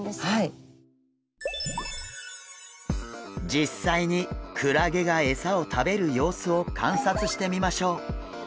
実際にクラゲがエサを食べる様子を観察してみましょう。